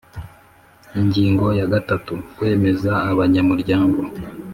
Ingingo ya gatatu: Kwemeza abanyamuryango